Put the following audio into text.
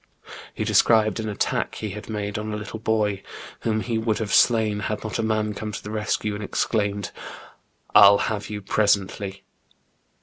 He described an attack he had made on a little boy whom he would have slain, had not a man come to the rescue, and exclaimed, " I'll have you presently.''